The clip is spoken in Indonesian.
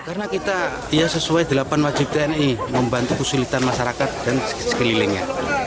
karena kita sesuai delapan wajib tni membantu kesulitan masyarakat dan sekelilingnya